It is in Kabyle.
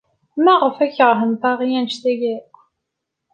Maɣef ay keṛhen Paris anect-a akk?